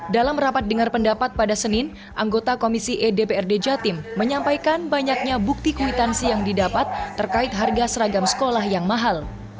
dalam rapat dengar pendapat pada senin anggota komisi e dprd jatim menyampaikan banyaknya bukti kwitansi yang didapat terkait harga seragam sekolah yang mahal